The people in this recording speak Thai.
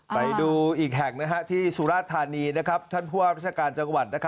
ไปดูอีกแห่งที่สุราธานีท่านผู้ว่าราชการจังหวัด